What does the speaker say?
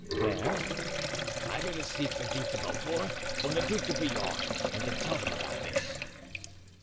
"Where?" "Either to seek the Duc de Beaufort or the Duc de Bouillon, and to tell them about this."